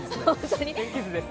天気図です。